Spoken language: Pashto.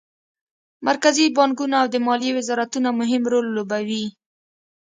مرکزي بانکونه او د مالیې وزارتونه مهم رول لوبوي